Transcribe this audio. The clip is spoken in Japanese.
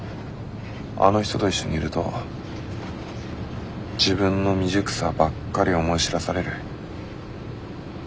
あの人と一緒にいると自分の未熟さばっかり思い知らされる。